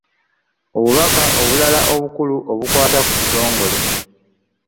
Obubaka obulala obukulu obukwata ku kitongole.